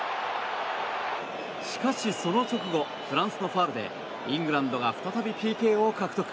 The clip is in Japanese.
しかし、その直後フランスのファウルでイングランドが再びＰＫを獲得。